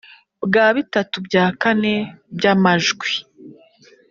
Bwa bitatu bya kane by'amajwi